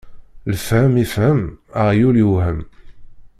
Lfahem ifhem aɣyul iwhem.